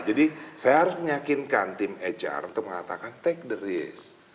jadi saya harus meyakinkan tim hr untuk mengatakan take the risk